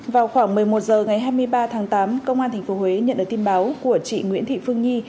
vào khoảng một mươi một h ngày hai mươi ba tháng tám công an tp huế nhận được tin báo của chị nguyễn thị phương nhi